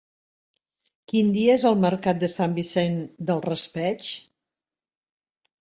Quin dia és el mercat de Sant Vicent del Raspeig?